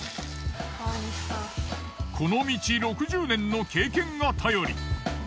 この道６０年の経験が頼り。